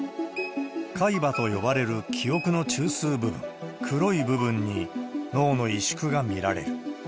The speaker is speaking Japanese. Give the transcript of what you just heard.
海馬と呼ばれる記憶の中枢部分、黒い部分に、脳の萎縮が見られる。